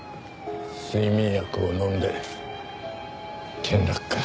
睡眠薬を飲んで転落か。